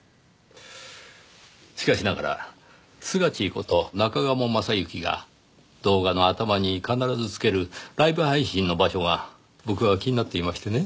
しかしながらスガチーこと中鴨昌行が動画の頭に必ずつけるライブ配信の場所が僕は気になっていましてね。